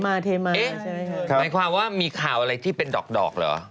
เทมาเอ๊ะหมายความว่ามีข่าวอะไรที่เป็นดอกเหรอ